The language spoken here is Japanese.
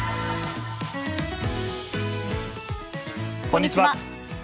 こんにちは。